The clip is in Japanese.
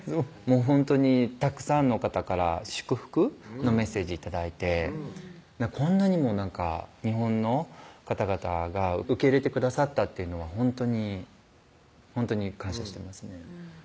ほんとにたくさんの方から祝福のメッセージ頂いてこんなにも日本の方々が受け入れてくださったというのはほんとにほんとに感謝してますね